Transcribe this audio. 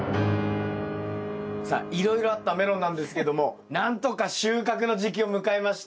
さあいろいろあったメロンなんですけども何とか収穫の時期を迎えました。